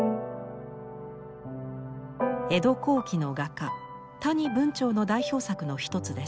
江戸後期の画家谷文晁の代表作の一つです。